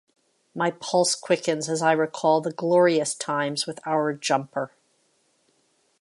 My pulse quickens as I recall the glorious times with our jumper.